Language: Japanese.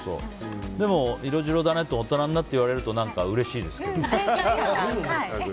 色白だねって大人になって言われるとうれしいですけど。